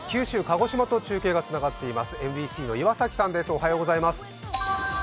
九州鹿児島と中継がつながっています